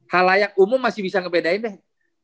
hal layak umum masih bisa ngebedain deh